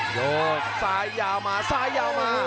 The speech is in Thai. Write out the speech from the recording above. โยกซ้ายยาวมาซ้ายยาวมา